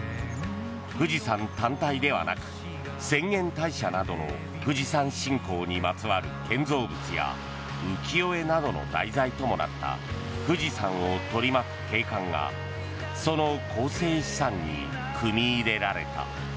富士山単体ではなく浅間大社などの富士山信仰にまつわる建造物や浮世絵などの題材ともなった富士山を取り巻く景観がその構成資産に組み入れられた。